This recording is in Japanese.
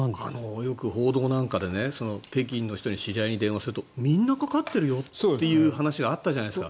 よく報道なんかで北京の知り合いに電話するとみんなかかっているよって話があったじゃないですか。